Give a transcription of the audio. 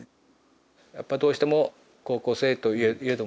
やっぱどうしても高校生といえどもね